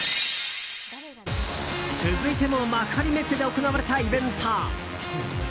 続いても幕張メッセで行われたイベント。